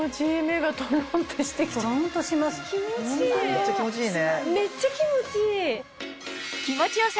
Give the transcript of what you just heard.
めっちゃ気持ちいいね。